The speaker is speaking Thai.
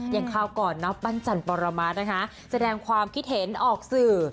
คราวก่อนนะปั้นจันปรมานะคะแสดงความคิดเห็นออกสื่อ